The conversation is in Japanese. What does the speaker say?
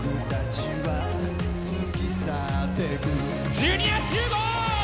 ジュニア集合！